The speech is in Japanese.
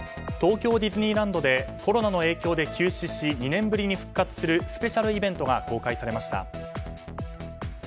東京ディズニーランドでコロナの影響で休止し２年ぶりに復活するスペシャルイベントが公開されました。